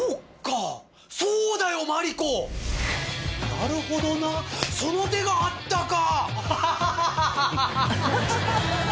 なるほどなその手があったか！